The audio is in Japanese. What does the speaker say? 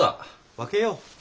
分けよう。